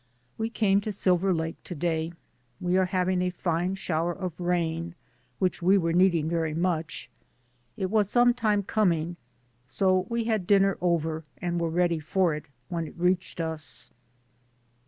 We came to Silver Lake to day. We are having a fine shower of rain, which we were needing very much. It was some time com ing, so we had dinner over and were ready for it when it reached us.